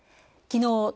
きのう